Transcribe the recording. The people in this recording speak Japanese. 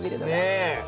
ねえ。